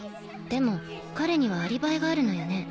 でも彼にはアリバイがあるのよね？